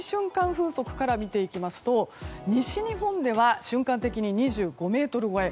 風速から見ていきますと西日本では瞬間的に２５メートル超え。